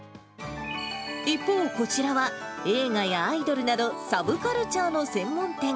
一方、こちらは映画やアイドルなど、サブカルチャーの専門店。